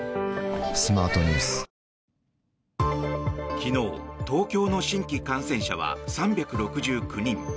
昨日、東京の新規感染者は３６９人。